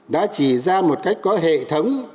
đã chỉ ra một cách có hệ thống